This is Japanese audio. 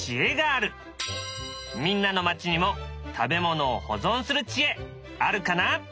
みんなの町にも食べ物を保存する知恵あるかな？